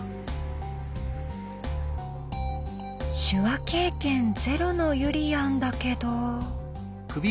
手話経験ゼロのゆりやんだけど。